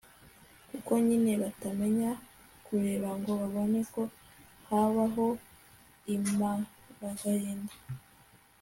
kuko nyine batamenya kureba ngo babone ko habaho imaragahinda